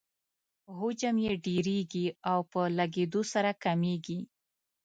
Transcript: حجم یې ډیریږي او په لږیدو سره کمیږي.